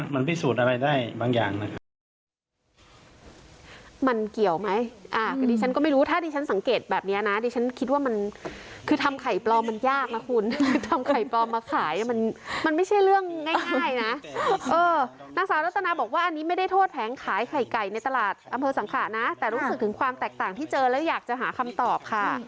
มันพิสูจน์อะไรได้บางอย่างนะครับ